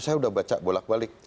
saya sudah baca bolak balik